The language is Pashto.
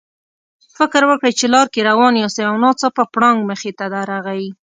فکر وکړئ چې لار کې روان یاستئ او ناڅاپه پړانګ مخې ته درغی.